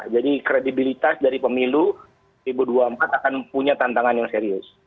jadi kredibilitas dari pemilu dua ribu dua puluh empat akan punya tantangan yang serius